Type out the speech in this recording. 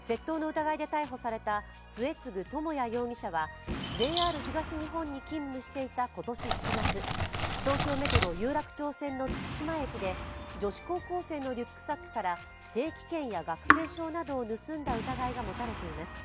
窃盗の疑いで逮捕された末次智也容疑者はＪＲ東日本に勤務していた今年７月、東京メトロ有楽町線の月島駅で女子高校生のリュックサックから定期券や学生証などを盗んだ疑いが持たれています。